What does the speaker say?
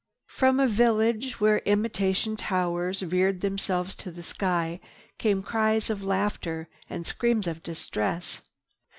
From a village where imitation towers reared themselves to the sky came cries of laughter and screams of distress.